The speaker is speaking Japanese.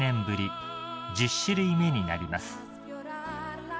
ぶり１０種類目になります］